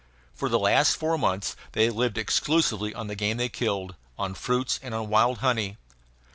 For the last four months they lived exclusively on the game they killed, on fruits, and on wild honey.